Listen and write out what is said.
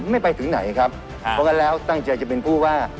ไม่ไปถึงไหนครับเพราะงั้นแล้วตั้งใจจะเป็นผู้ว่า